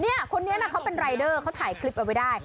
คนนี้นะเขาเป็นรายเดอร์เขาถ่ายคลิปเอาไว้ได้